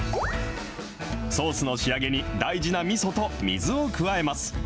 ソースの仕上げに大事なみそと水を加えます。